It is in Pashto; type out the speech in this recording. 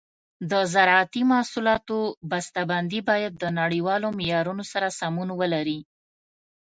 د زراعتي محصولاتو بسته بندي باید د نړیوالو معیارونو سره سمون ولري.